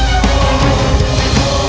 aku tak bisa